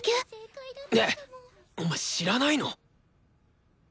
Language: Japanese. えっお前知らないの？